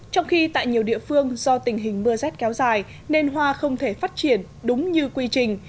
trong khi tại nhiều địa phương do tình hình mưa rét kéo dài nên hoa không thể phát triển đúng như quy trình